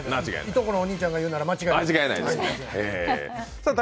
いとこのお兄ちゃんが言うなら間違いない。